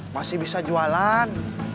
masih bisa jualan